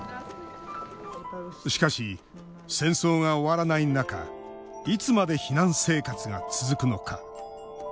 しかし、戦争が終わらない中いつまで避難生活が続くのか。